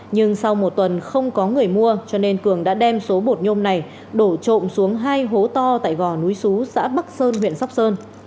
nhưng sau một tuần không có người mua cho nên cường đã đem số bột nhôm này đổ trộm xuống hai hố to tại gò núi xú xã bắc sơn huyện sóc sơn